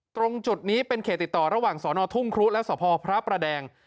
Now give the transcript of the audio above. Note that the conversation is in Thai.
ตรงจุดนี้เป็นเขตติดต่อระหว่างสอนอทุ่งครุและสพพระประแดง